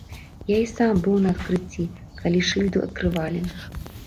Я і сам быў на адкрыцці, калі шыльду адкрывалі.